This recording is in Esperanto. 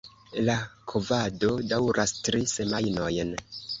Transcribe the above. La kovado daŭras tri semajnojn.